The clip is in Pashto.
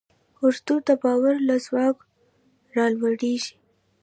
اراده د باور له ځواک راولاړېږي.